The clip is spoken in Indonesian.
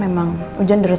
emang ada shelter